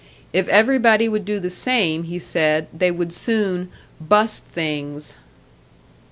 If everybody would do the same, he said, they would soon "bust things."